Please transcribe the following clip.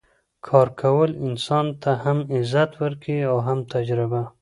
کار کول انسان ته هم عزت ورکوي او هم تجربه